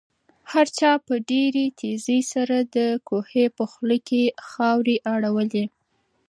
هر چا په ډېرې تېزۍ سره د کوهي په خوله کې خاورې اړولې.